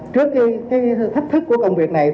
trước thách thức của công việc này